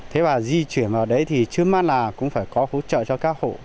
thế và di chuyển vào đấy thì trước mắt là cũng phải có hỗ trợ cho các hộ